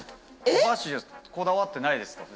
お箸こだわってないですか？